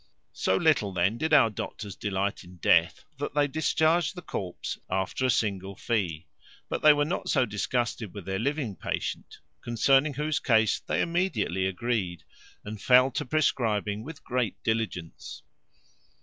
So little then did our doctors delight in death, that they discharged the corpse after a single fee; but they were not so disgusted with their living patient; concerning whose case they immediately agreed, and fell to prescribing with great diligence.